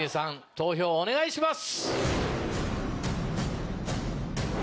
投票お願いします。